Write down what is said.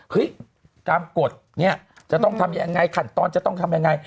เฮ้ยกรามกฎเนี่ยจะต้องทำอย่างไรขันตอนจะต้องทำอย่างไร